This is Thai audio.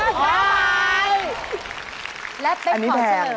อันนี้แพงและเป็นขอเฉลยอีกอันหนึ่ง